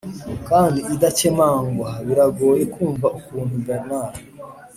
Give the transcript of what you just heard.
kandi idakemangwa, biragoye kumva ukuntu bernard